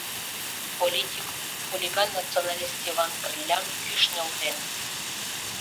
Политик хулиган-националист Йыван Кырлям кӱш нӧлтен.